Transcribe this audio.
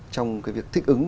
trong cái việc thích ứng